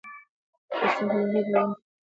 سیسټم په لومړیو پړاوونو کې د ناروغۍ امکانات برابروي.